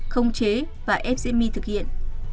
không chế và ép diễm my thực hiện